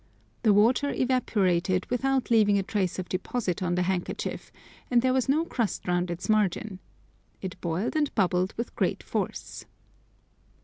The water evaporated without leaving a trace of deposit on the handkerchief, and there was no crust round its margin. It boiled and bubbled with great force.